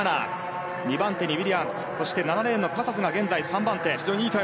２番手にウィリアムズ７レーンのカサスが現在３番手。